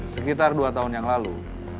sekitar dua tahun yang lalu